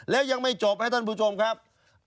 แล้วยังไม่จบครับท่านผู้ชมครับ